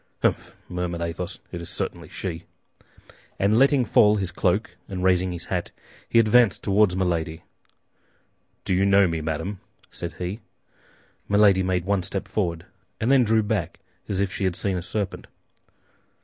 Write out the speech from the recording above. "Humph," murmured Athos, "it is certainly she!" And letting fall his cloak and raising his hat, he advanced toward Milady. "Do you know me, madame?" said he. Milady made one step forward, and then drew back as if she had seen a serpent.